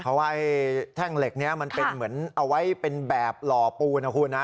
เพราะว่าแท่งเหล็กนี้มันเป็นเหมือนเอาไว้เป็นแบบหล่อปูนนะคุณนะ